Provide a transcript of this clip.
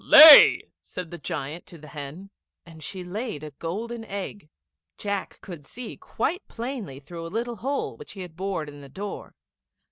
"Lay," said the giant to the hen, and she laid a golden egg. Jack could see quite plainly through a little hole which he had bored in the door.